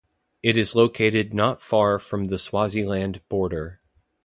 It is located not far from the Swaziland border.